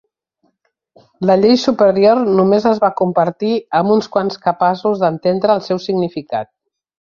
La llei superior només es va compartir amb uns quants capaços d'entendre el seu significat.